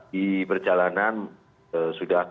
di perjalanan sudah